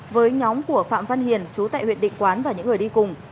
với nhóm của phạm văn hiền chú tại huyện định quán và những người đi cùng